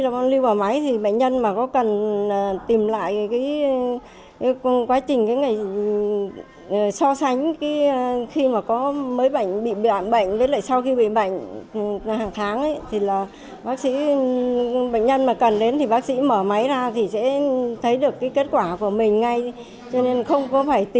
cô sẽ thấy được kết quả của mình ngay không phải tìm kiếm như trước